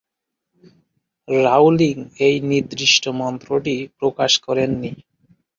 Rowling এই নির্দিষ্ট মন্ত্রটি প্রকাশ করেননি।